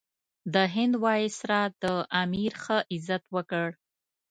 د هند وایسرا د امیر ښه عزت وکړ.